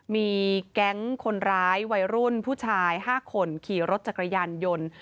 มีแก๊งคนร้ายวัยรุ่นผู้ชาย๕คนขี่รถจักรยานยนต์